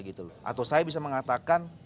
atau saya bisa mengatakan